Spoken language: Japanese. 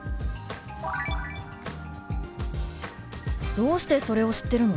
「どうしてそれを知ってるの？」。